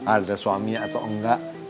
ada suaminya atau enggak